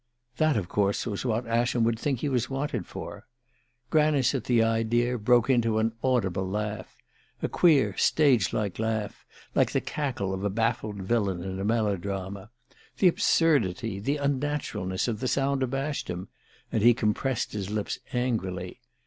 That, of course, was what Ascham would think he was wanted for. Granice, at the idea, broke into an audible laugh a queer stage laugh, like the cackle of a baffled villain in a melodrama. The absurdity, the unnaturalness of the sound abashed him, and he compressed his lips angrily.